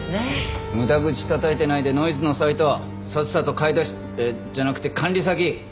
無駄口たたいてないでノイズのサイトさっさと買い出しじゃなくて管理先突き止めるぞ。